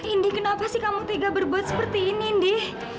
indi kenapa sih kamu tiga berbuat seperti ini indi